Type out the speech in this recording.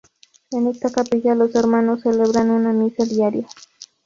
En esta capilla, los hermanos celebraban una misa diaria.